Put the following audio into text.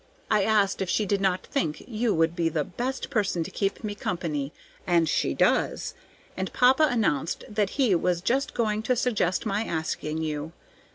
I asked if she did not think you would be the best person to keep me company, and she does, and papa announced that he was just going to suggest my asking you.